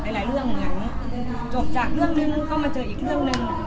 หลายเรื่องเหมือนจบจากเรื่องนึงก็มาเจออีกเรื่องหนึ่ง